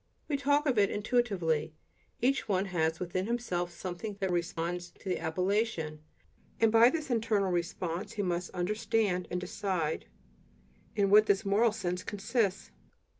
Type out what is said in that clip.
We talk of it intuitively; each one has within himself something that "responds" to the appellation; and by this internal response he must understand and decide in what this "moral sense" consists.